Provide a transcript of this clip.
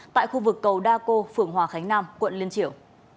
tại khu vực cầu đa cô phường hòa khánh nam quận liên triểu